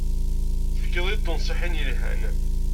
Tefkiḍ-iyi-d tinṣiḥin yelhan.